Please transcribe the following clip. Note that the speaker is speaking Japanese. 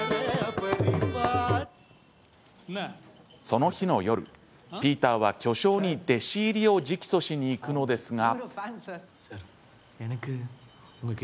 その日の夜、ピーターはその巨匠に弟子入りを直訴しに行くのですが。